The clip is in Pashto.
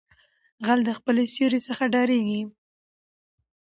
ـ غل دې خپلې سېرې څخه ډاريږي.